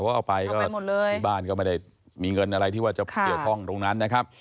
ก็เอาไปก็ที่บ้านก็ไม่ได้มีเงินอะไรที่ว่าจะเกี่ยวข้องตรงนั้นนะครับ